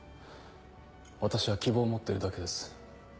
私は希望を持ってるだけです。